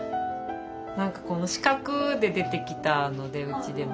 四角で出てきたのでうちでも。